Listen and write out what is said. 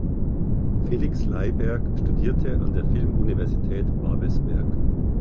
Felix Leiberg studierte an der Filmuniversität Babelsberg.